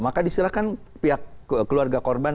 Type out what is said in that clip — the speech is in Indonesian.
maka disilahkan pihak keluarga korban